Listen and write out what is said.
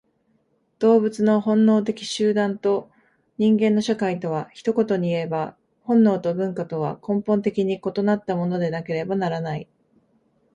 動物の本能的集団と人間の社会とは、一言にいえば本能と文化とは根本的に異なったものでなければならない。